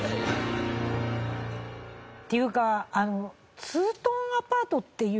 っていうかあの。